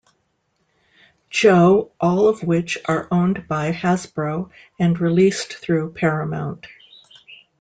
Joe all of which are owned by Hasbro and released through Paramount.